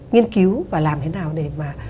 nghiên cứu và làm thế nào để mà